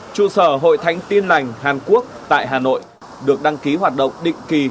chủ sở hội thánh tiên lành hàn quốc tại hà nội được đăng ký hoạt động định kỳ